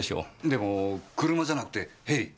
でも車じゃなくてヘリ。